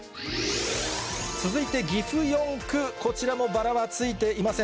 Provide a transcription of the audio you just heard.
続いて岐阜４区、こちらもバラはついていません。